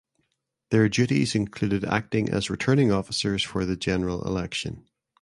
Their duties included acting as returning officers for the general election.